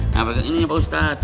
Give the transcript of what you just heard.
nah gini pak ustadz